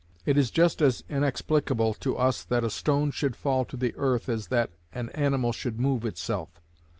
It is just as inexplicable to us that a stone should fall to the earth as that an animal should move itself.